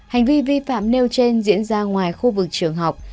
hành vi vi phạm nêu trên diễn ra ngoài khu vực trường học